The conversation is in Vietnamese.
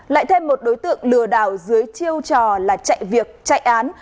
lại thêm một đối tượng lừa đảo dưới chiêu trò là chạy việc chạy án